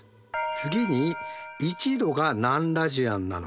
次に１°が何ラジアンなのか。